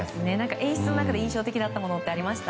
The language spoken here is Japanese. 演出の中で印象的だったものってありました？